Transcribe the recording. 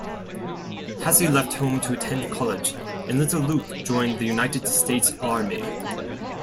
Hassie left home to attend college, and Little Luke joined the United States Army.